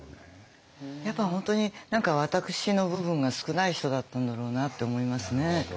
やっぱ本当に何か私の部分が少ない人だったんだろうなって思いますね。